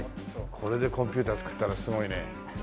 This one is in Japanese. これでコンピューター作ったらすごいね。